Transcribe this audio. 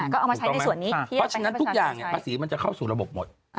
ก็เอามาใช้ในส่วนนี้เพราะฉะนั้นทุกอย่างภาษีมันจะเข้าสู่ระบบหมด